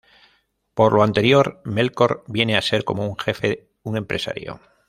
Por lo anterior Melkor viene a ser como un jefe, un empresario.